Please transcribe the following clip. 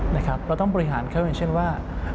เราต้องบริหารเขาอย่างเช่นว่า